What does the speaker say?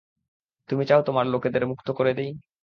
তুমি চাও তোমার লোকেদের মুক্ত করে দিই।